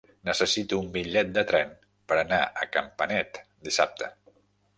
Necessito un bitllet de tren per anar a Campanet dissabte.